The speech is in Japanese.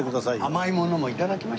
甘いものも頂きましたよ。